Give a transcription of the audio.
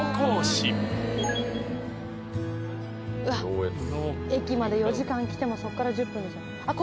うわっ駅まで４時間来てもそっから１０分ですよあっ